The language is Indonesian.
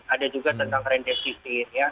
ada juga tentang rendesisir